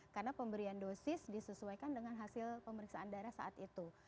karena pemberian dosis disesuaikan dengan hasil pemeriksaan darah saat itu